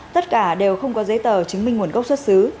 tất cả đều không có giấy tờ chứng minh nguồn gốc xuất xứ